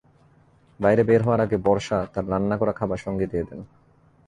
বাইরে বের হওয়ার আগে বর্ষা তাঁর রান্না করা খাবার সঙ্গে দিয়ে দেন।